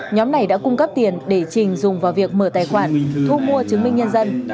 nhóm này đã cung cấp tiền để trình dùng vào việc mở tài khoản thu mua chứng minh nhân dân